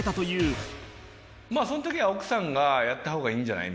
その時は奥さんがやった方がいいんじゃない？